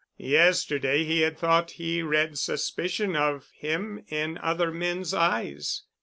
Yesterday he had thought he read suspicion of him in other men's eyes.